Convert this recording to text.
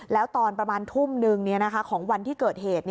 แล้วตอนประมาณทุ่มนึงของวันที่เกิดเหตุ